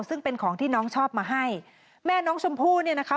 ซึ่งเป็นของที่น้องชอบมาให้แม่น้องชมพู่เนี่ยนะคะ